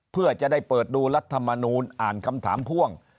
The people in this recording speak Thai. เพื่อจะได้เปิดดูรัฐมนูลอ่านคำถามพ่วง